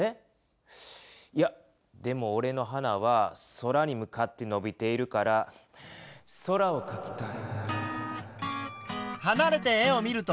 いやでもおれの花は空に向かってのびているから空をかきたい。